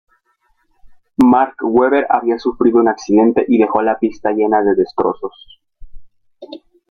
Mark Webber había sufrido un accidente y dejó la pista llena de destrozos.